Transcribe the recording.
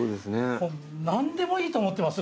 何でもいいと思ってます？